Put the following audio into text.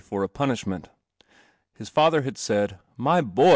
1 punishment. His lather had said, "My ■!